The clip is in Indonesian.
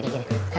ini susah banget